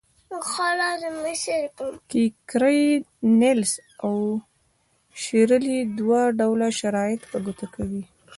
کیکیري، نیلیس او شیرلي دوه ډوله شرایط په ګوته کوي.